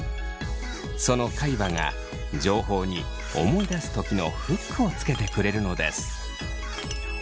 その海馬が情報に思い出す時のフックをつけてくれるのです。